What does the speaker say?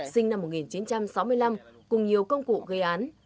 sinh năm một nghìn chín trăm sáu mươi năm cùng nhiều công cụ gây án